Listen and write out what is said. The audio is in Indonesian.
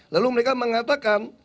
lalu mereka mengatakan